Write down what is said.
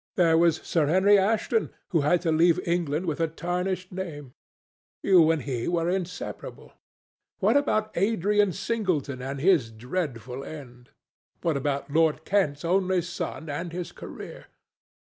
There was Sir Henry Ashton, who had to leave England with a tarnished name. You and he were inseparable. What about Adrian Singleton and his dreadful end? What about Lord Kent's only son and his career?